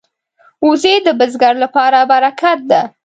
وزې د بزګر لپاره برکت ده